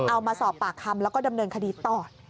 เอามาสอบปากคำแล้วก็ดำเนินคดีต่อ